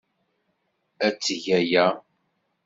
Ad teg aya.